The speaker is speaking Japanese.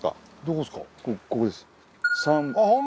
ここです。